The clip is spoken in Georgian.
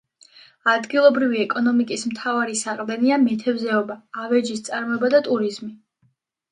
ადგილობრივი ეკონომიკის მთავარი დასაყრდენია მეთევზეობა, ავეჯის წარმოება და ტურიზმი.